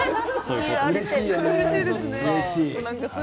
うれしいですね。